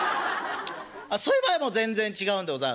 「そういう場合はもう全然違うんでございますね。